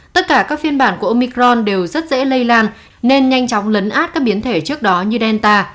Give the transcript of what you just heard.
tất cả các phiên bản của omicron đều rất dễ lây lan nên nhanh chóng lấn át các biến thể trước đó như delta